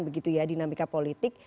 begitu ya dinamika politik